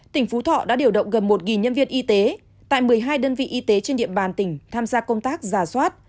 tỉnh phú thọ đã điều động gần một nhân viên y tế tại một mươi hai đơn vị y tế trên địa bàn tỉnh tham gia công tác giả soát